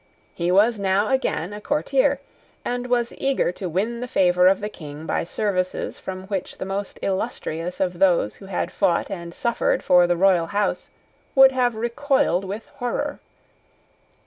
He was now again a courtier, and was eager to win the favour of the King by services from which the most illustrious of those who had fought and suffered for the royal house would have recoiled with horror.